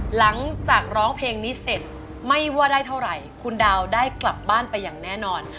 หลังจากร้องเพลงนี้เสร็จไม่ว่าได้เท่าไหร่คุณดาวได้กลับบ้านไปอย่างแน่นอน